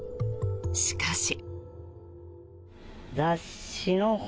しかし。